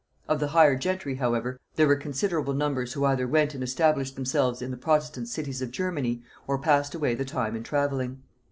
Of the higher gentry, however, there were considerable numbers who either went and established themselves in the protestant cities of Germany, or passed away the time in travelling.